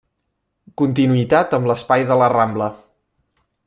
Continuïtat amb l'espai de La Rambla.